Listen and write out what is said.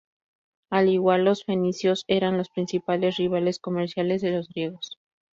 Al igual, los fenicios eran los principales rivales comerciales de los griegos.